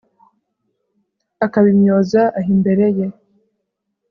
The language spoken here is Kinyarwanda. akabimyoza aho imbere ye